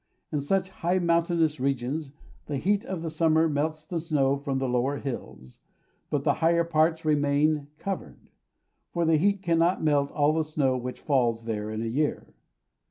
In such high mountainous regions, the heat of the summer melts the snow from the lower hills, but the higher parts remain covered, for the heat cannot melt all the snow which falls there in a year.